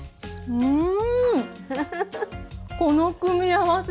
うん。